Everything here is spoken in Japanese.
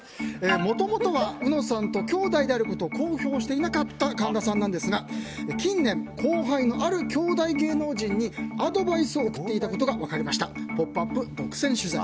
もともとは、うのさんと姉弟であることを公表していなかった神田さんなんですが近年、後輩のある兄弟芸能人にアドバイスを送っていました。